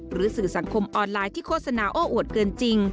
สื่อสังคมออนไลน์ที่โฆษณาโอ้อวดเกินจริง